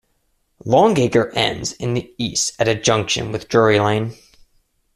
Long Acre ends in the east at a junction with Drury Lane.